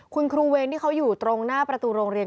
คุณครูเวรที่เขาอยู่ตรงหน้าประตูโรงเรียน